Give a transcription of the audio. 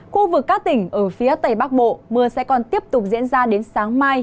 khu vực các tỉnh ở phía tây bắc bộ mưa sẽ còn tiếp tục diễn ra đến sáng mai